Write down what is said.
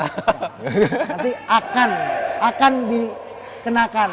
nanti akan akan dikenakan